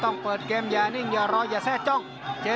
นี่นี่นี่นี่นี่นี่